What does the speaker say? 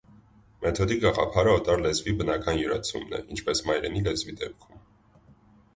Մեթոդի գաղափարը օտար լեզվի «բնական» յուրացումն է, ինչպես մայրենի լեզվի դեպքում։